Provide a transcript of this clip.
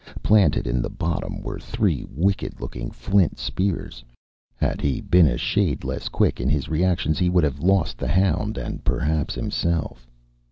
Planted in the bottom were three wicked looking flint spears. Had he been a shade less quick in his reactions, he would have lost the hound and perhaps himself.